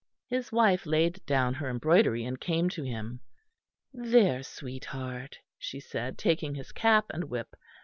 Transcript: His wife laid down her embroidery and came to him. "There, sweetheart," she said, taking his cap and whip.